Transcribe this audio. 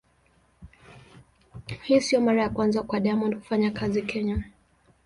Hii sio mara ya kwanza kwa Diamond kufanya kazi Kenya.